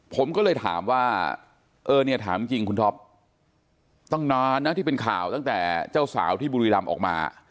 ผมก็เลยถามว่าเออเนี่ยถามจริงคุณท็อปตั้งนานนะที่เป็นข่าวตั้งแต่เจ้าสาวที่บุรีรำออกมา